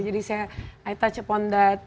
jadi saya menyentuh itu